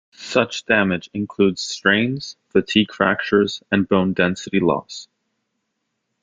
Such damage includes strains, fatigue fractures, and bone density loss.